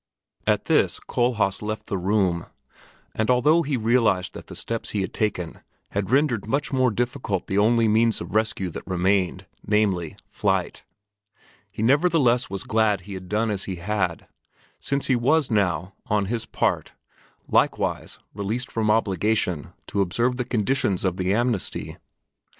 At this Kohlhaas left the room, and although he realized that the steps he had taken had rendered much more difficult the only means of rescue that remained, namely, flight, he nevertheless was glad he had done as he had, since he was now, on his part, likewise released from obligation to observe the conditions of the amnesty.